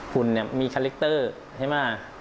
ฝุ่นมีคาเล็กเตอร์ใช่ไหม